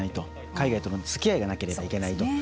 海外とのつきあいがなければいけないと。